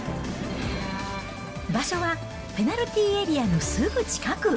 場所はペナルティーエリアのすぐ近く。